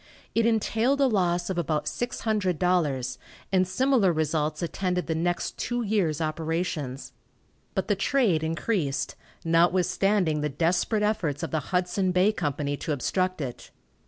It entailed a loss of about $600, and similar results attended the next two years' operations, but the trade increased, notwithstanding the desperate efforts of the Hudson Bay Company to obstruct it.